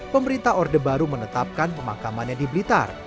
pemerintah orde baru menetapkan pemakamannya di blitar